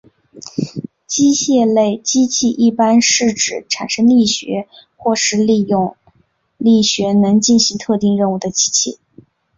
机械类机器一般是指产生力学能或是利用力学能进行特定任务的机器。